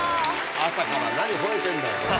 朝から何吠えてんだよ。